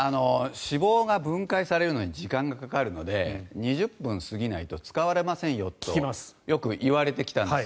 脂肪が分解されるのに時間がかかるので２０分すぎないと使われませんよとよく言われてきたんです。